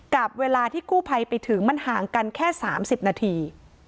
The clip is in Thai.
กับเวลาที่กู้ภัยไปถึงมันห่างกันแค่๓๐นาที